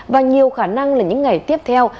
và nhiều khả năng là những ngày tiếp theo